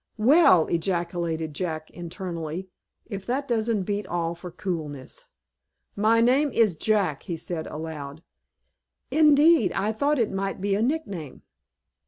"Well," ejaculated Jack, internally, "if that doesn't beat all for coolness." "My name is Jack," he said, aloud. "Indeed! I thought it might be a nickname."